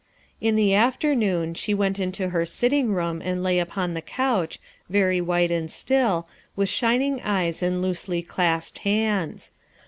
In the afternoon she went into her sitting room and lay upon the couch, very white and still, with shining eyes and loosely clasped hands.